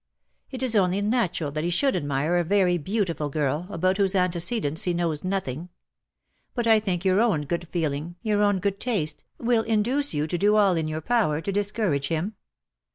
"It is only natural that he should admire a very beautiful girl, about whose antecedents he knows nothing; but I think your own good feeling, your own good taste, will induce you to do all in your power to discourage him?"